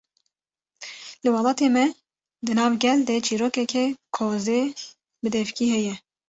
Li welatê me, di nav gel de çîrokeke kozê bi devkî heye